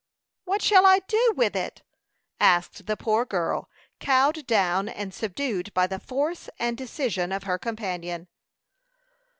"What shall I do with it?" asked the poor girl, cowed down and subdued by the force and decision of her companion.